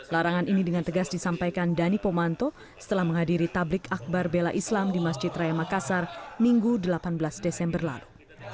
larangan ini dengan tegas disampaikan dhani pomanto setelah menghadiri tablik akbar bela islam di masjid raya makassar minggu delapan belas desember lalu